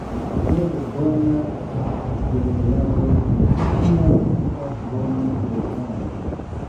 Sed bona generalo ne ĉiam estas bona prezidento.